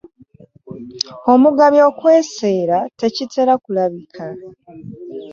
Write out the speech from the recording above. Omugabi okwesera tekitera kulabika .